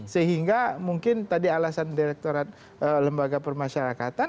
sehingga mungkin tadi alasan direkturat lembaga permasyarakatan